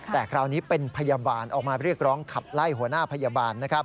แต่คราวนี้เป็นพยาบาลออกมาเรียกร้องขับไล่หัวหน้าพยาบาล